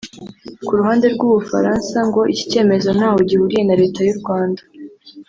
Ku ruhande rw’u Bufaransa ngo iki cyemezo ntaho gihuriye na Leta y’u Rwanda